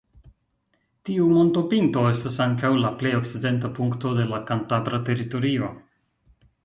Tiu montopinto estas ankaŭ la plej okcidenta punkto de la kantabra teritorio.